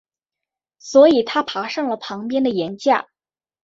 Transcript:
所以他爬上了旁边的岩架。